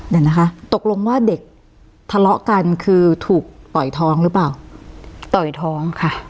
เดี๋ยวนะคะตกลงว่าเด็กทะเลาะกันคือถูกต่อยท้องหรือเปล่าต่อยท้องค่ะ